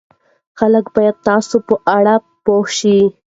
خلک باید ستاسو په اړه پوه شي.